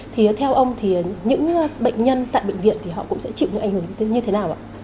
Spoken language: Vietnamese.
thì theo ông thì những bệnh nhân tại bệnh viện thì họ cũng sẽ chịu những ảnh hưởng trực tiếp